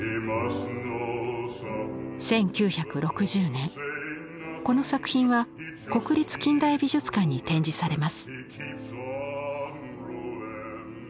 １９６０年この作品は国立近代美術館に展示されます。